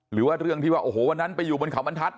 หรือว่าเรื่องที่ว่าโอ้โหวันนั้นไปอยู่บนเขาบรรทัศน